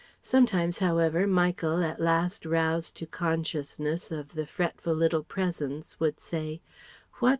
Sometimes however Michael at last roused to consciousness of the fretful little presence would say "What?